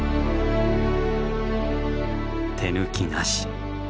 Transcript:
手抜きなし。